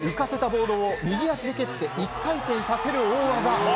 浮かせたボードを右足で蹴って１回転させる大技。